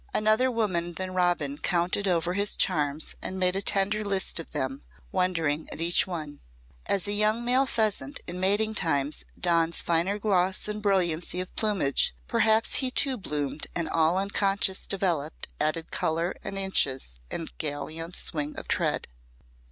Another woman than Robin counted over his charms and made a tender list of them, wondering at each one. As a young male pheasant in mating time dons finer gloss and brilliancy of plumage, perhaps he too bloomed and all unconscious developed added colour and inches and gallant swing of tread.